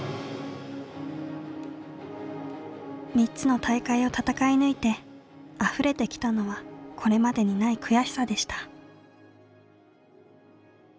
３つの大会を戦い抜いてあふれてきたのはこれまでにない悔しさでした。